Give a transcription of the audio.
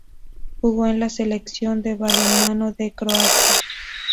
Jugó en la Selección de balonmano de Croacia.